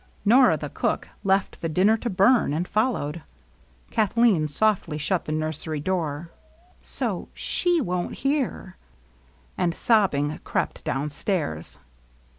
Nora^ the cook^ left the dinner to bum^ and fol lowed. Kathleen softly shut the nursery door^ " So she won't hear/' and, sobbing, crept downstairs.